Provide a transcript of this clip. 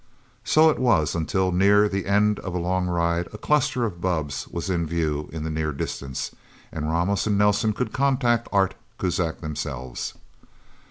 So it was, until, near the end of a long ride, a cluster of bubbs was in view in the near distance, and Ramos and Nelsen could contact Art Kuzak themselves.